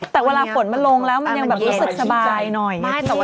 แต่เวลาฝนมันลงแล้วมันยังแบบรู้สึกสบายหน่อย